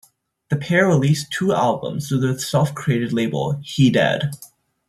The pair released two albums through their self-created label He Dead.